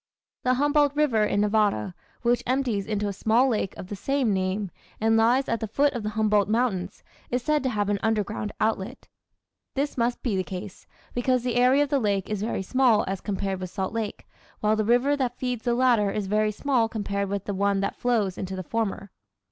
The Humboldt River in Nevada, which empties into a small lake of the same name, and lies at the foot of the Humboldt Mountains, is said to have an underground outlet. This must be the case, because the area of the lake is very small as compared with Salt Lake, while the river that feeds the latter is very small compared with the one that flows into the former.